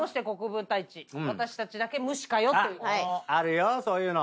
あるよそういうの。